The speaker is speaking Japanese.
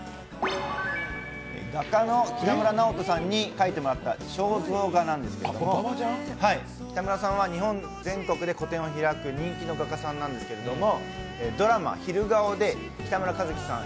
画家の北村直登さんに描いてもらった肖像画なんですけど北村さんは日本全国で個展を開く人気の画家さんなんですけどドラマ「昼顔」で北村一輝さん